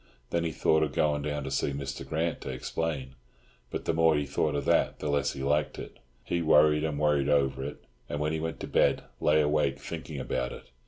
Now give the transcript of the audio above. Then he thought of going down to see Mr. Grant to explain; but the more he thought of that the less he liked it. He worried and worried over it, and when he went to bed lay awake thinking about it.